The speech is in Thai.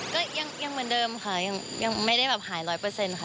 ก็ยังเหมือนเดิมค่ะยังไม่ได้แบบหายร้อยเปอร์เซ็นต์ค่ะ